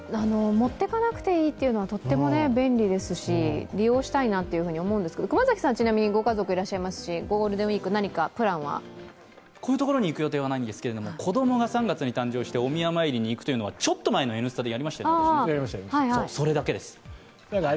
持ってかなくていいというのは、とっても便利ですし、利用したいなと思うんですが、熊崎さんはちなみにご家族いらっしゃいますし、ゴールデンウイーク、何かプランは？こういうところに行く予定はないんですが、子供のお宮参りに行くとちょっと前の「Ｎスタ」でやりましたよね、それだけです。